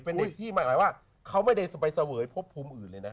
เป็นที่หมายว่าเขาไม่ได้ไปเสวยพบภูมิอื่นเลยนะ